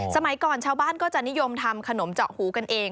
สมัยก่อนชาวบ้านก็จะนิยมทำขนมเจาะหูกันเอง